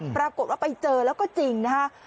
ปรากฏว่าไปเจอแล้วก็จริงนะฮะ